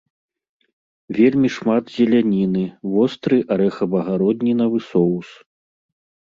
Вельмі шмат зеляніны, востры арэхава-гароднінавы соус.